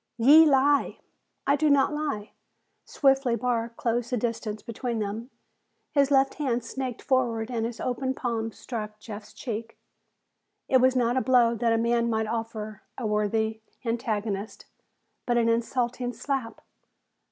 "Ye lie!" "I do not lie!" Swiftly Barr closed the distance between them. His left hand snaked forward and his open palm struck Jeff's cheek. It was not a blow that a man might offer a worthy antagonist, but an insulting slap.